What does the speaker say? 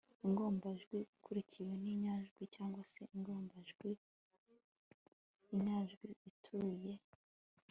ingombajwi ikurikiwe n'inyajwi cyangwa se ingombajwin'inyajwi ituzuye